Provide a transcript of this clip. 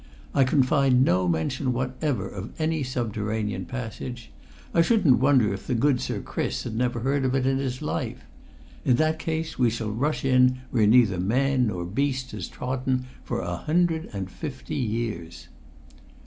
I can find no mention whatever of any subterranean passage. I shouldn't wonder if good Sir Chris had never heard of it in his life. In that case we shall rush in where neither man nor beast has trodden for a hundred and fifty years."